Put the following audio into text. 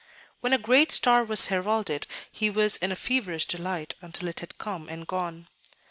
When a great star was heralded, he was in a feverish delight until it had come and gone.